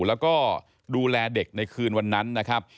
แล้วก็ดูแลเด็กในคืนวันนั้นนะครับ